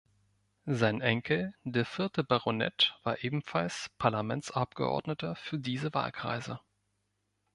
Sein Enkel, der vierte Baronet, war ebenfalls Parlamentsabgeordneter für diese Wahlkreise.